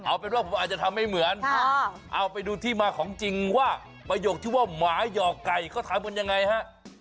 เอาเป็นว่าผมอาจจะทำไม่เหมือนเอาไปดูที่มาของจริงว่าประโยคที่ว่าหมาหยอกไก่เขาทำกันยังไงฮะ